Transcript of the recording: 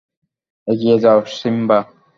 এগিয়ে যাও, সিম্বা!